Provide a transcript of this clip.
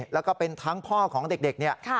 และก็เป็นทั้งพ่อของเด็กนะครับ